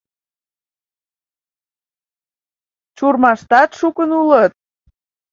Чурмаштат шукын улыт...